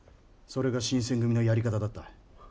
それが新選組のやり方だった。